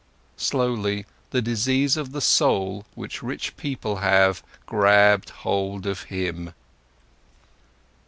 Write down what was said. Slowly the disease of the soul, which rich people have, grabbed hold of him.